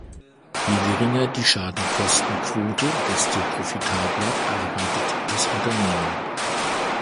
Je geringer die Schaden-Kosten-Quote, desto profitabler arbeitet das Unternehmen.